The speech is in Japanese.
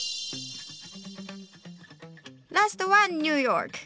ラストはニューヨーク。